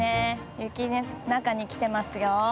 雪、中に来てますよ。